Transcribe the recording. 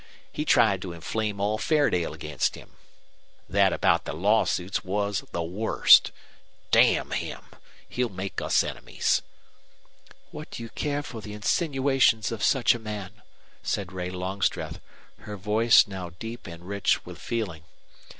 He tried to inflame all Fairdale against him. That about the lawsuits was the worst! Damn him! He'll make us enemies." "What do you care for the insinuations of such a man?" said Ray Longstreth, her voice now deep and rich with feeling.